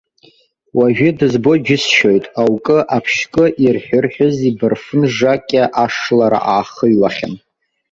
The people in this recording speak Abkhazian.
Уажәы дызбо џьысшьоит, аукы, аԥшькы, ирҳәы-рҳәыз ибарфын жакьа ашлара аахыҩлахьан.